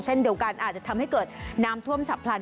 เช่นเดียวกันอาจจะทำให้เกิดน้ำท่วมฉับพลัน